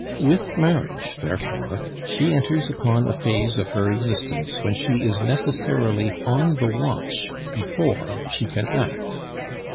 With marriage, therefore, she enters upon a phase of her existence when she is necessarily on the watch before she can act.